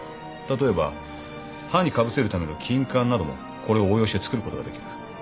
例えば歯にかぶせるための金冠などもこれを応用して作ることができる。